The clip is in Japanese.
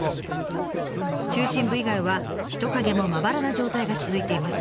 中心部以外は人影もまばらな状態が続いています。